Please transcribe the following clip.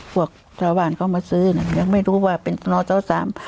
พวกชาวบ้านเขามาซื้อน่ะยังไม่รู้ว่าเป็นนอเจ้าสาม